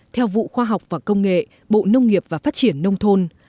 theo vụ khoa học và công nghệ bộ nông nghiệp và phát triển nông thôn